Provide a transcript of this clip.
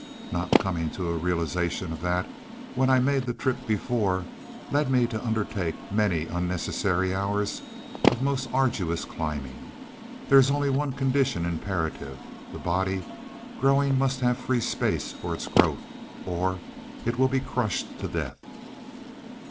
Not coming to a realization of that when I made the trip before, led me to undertake many unnecessary hours of most arduous climbing. There is only one condition imperative; the body growing must have free space for its growth, or it will be crushed to death."